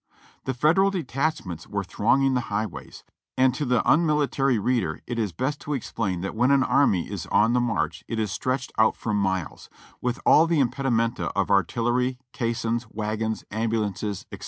The Federal detachments were thronging the highways; and to the unmilitary reader it is best to explain that when an army is on the march it is stretched out for miles, with all the impedi menta of artillery, caissons, wagons, ambulances, &c.